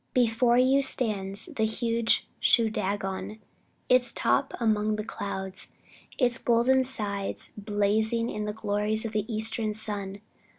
Before you, stands the huge Shoodagon, its top among the clouds, and its golden sides blazing in the glories of an eastern sun.